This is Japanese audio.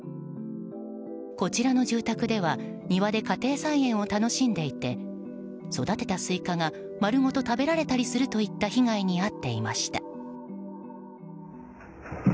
こちらの住宅では庭で家庭菜園を楽しんでいて育てたスイカが丸ごと食べられするといった被害に遭っていました。